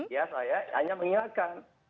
ya saya hanya mengingatkan